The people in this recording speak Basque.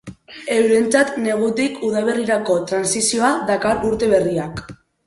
Eurentzat negutik udaberrirako trantsizioa dakar urte berriak.